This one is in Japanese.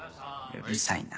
うるさいな。